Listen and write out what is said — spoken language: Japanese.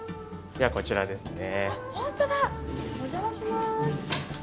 ではこちらですね。